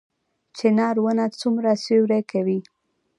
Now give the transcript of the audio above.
چنار ونه څومره سیوری کوي؟